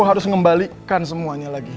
aku harus ngembalikan semuanya lagi